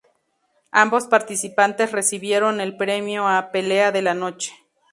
Ambos participantes recibieron el premio a "Pelea de la Noche".